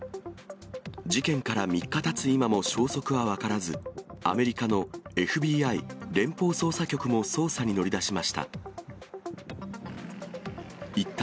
事件から３日たつ今も消息は分からず、アメリカのＦＢＩ・連邦捜査局も捜査に乗り出しました。